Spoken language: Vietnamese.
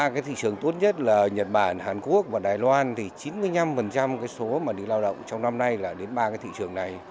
cái thị trường tốt nhất là nhật bản hàn quốc và đài loan thì chín mươi năm cái số mà đi lao động trong năm nay là đến ba cái thị trường này